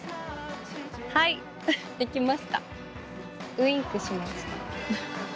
はい出来ました。